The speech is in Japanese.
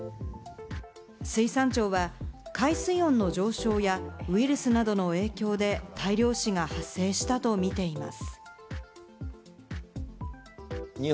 水産庁は海水温の上昇や、ウイルスなどの影響で大量死が発生したとみています。